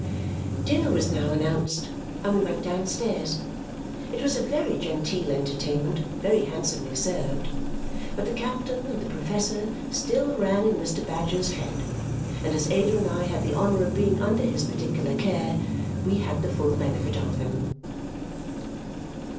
Dinner was now announced, and we went downstairs. It was a very genteel entertainment, very handsomely served. But the captain and the professor still ran in Mr. Badger's head, and as Ada and I had the honour of being under his particular care, we had the full benefit of them.